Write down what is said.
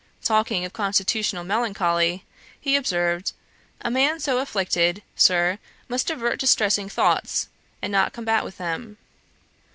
Talking of constitutional melancholy, he observed, 'A man so afflicted, Sir, must divert distressing thoughts, and not combat with them.'